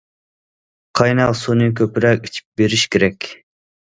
قايناق سۇنى كۆپرەك ئىچىپ بېرىش كېرەك.